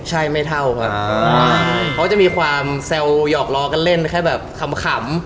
ใช่ไม่เท่าครับเขาจะมีความแซวหยอกล้อกันเล่นแค่แบบขำ